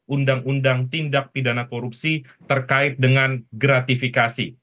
undang undang tindak pidana korupsi terkait dengan gratifikasi